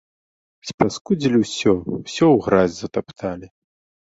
Спаскудзілі ўсё, усё ў гразь затапталі.